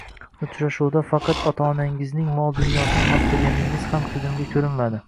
Uchrashuvda faqat ota-onangizning mol-dunyosini maqtaganingiz ham ko`zimga ko`rinmadi